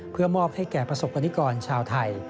เพื่อมอบให้แก่ประสบกรณิกรชาวไทย